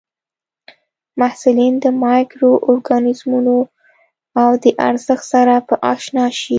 محصلین د مایکرو ارګانیزمونو او د ارزښت سره به اشنا شي.